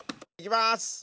いきます！